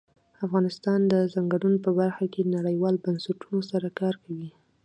افغانستان د ځنګلونه په برخه کې نړیوالو بنسټونو سره کار کوي.